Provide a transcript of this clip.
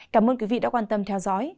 cảm ơn quý vị đã quan tâm theo dõi